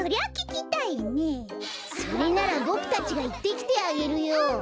それならボクたちがいってきてあげるよ。